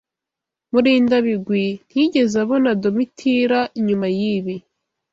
Murindabigwi ntiyigeze abona Domitira nyuma yibi.